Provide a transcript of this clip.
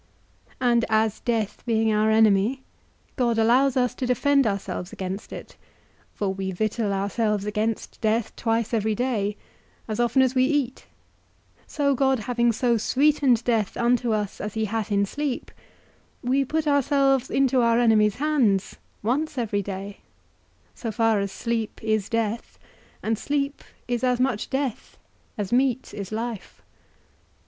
And as death being our enemy, God allows us to defend ourselves against it (for we victual ourselves against death twice every day), as often as we eat, so God having so sweetened death unto us as he hath in sleep, we put ourselves into our enemy's hands once every day, so far as sleep is death; and sleep is as much death as meat is life.